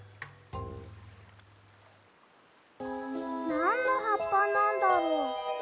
なんのはっぱなんだろう？